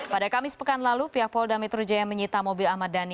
pada kamis pekan lalu pihak polda metro jaya menyita mobil ahmad dhani